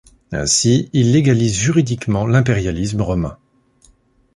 Ainsi, il légalise juridiquement l'impérialisme romain.